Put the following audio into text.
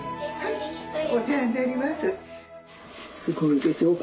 お世話になります。